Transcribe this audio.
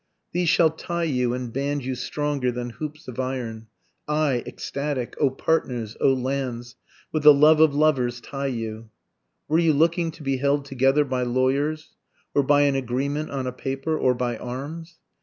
These shall tie you and band you stronger than hoops of iron, I, ecstatic, O partners! O lands! with the love of lovers tie you. (Were you looking to be held together by lawyers? Or by an agreement on a paper? or by arms?